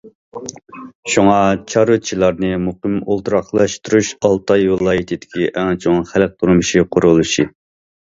شۇڭا چارۋىچىلارنى مۇقىم ئولتۇراقلاشتۇرۇش ئالتاي ۋىلايىتىدىكى ئەڭ چوڭ خەلق تۇرمۇشى قۇرۇلۇشى.